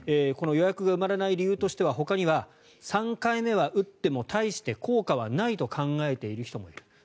この予約が埋まらない理由としては、ほかには３回目は打っても大して効果はないと考えている人もいる